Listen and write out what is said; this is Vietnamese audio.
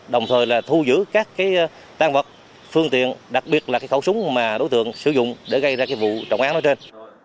đồng thời là thu giữ các cái tăng vật phương tiện đặc biệt là cái khẩu súng mà đối tượng sử dụng để gây ra cái vụ trọng án ở trên